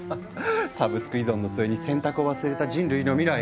サブスク依存の末に選択を忘れた人類の未来。